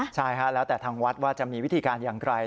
ใช่ฮะแล้วแต่ทางวัดว่าจะมีวิธีการอย่างไร